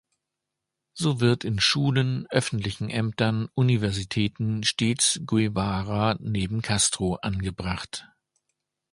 So wird in Schulen, öffentlichen Ämtern, Universitäten stets Guevara neben Castro angebracht.